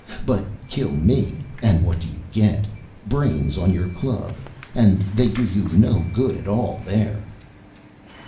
But kill me and what do you get? Brains on your club and they do you no good at all there."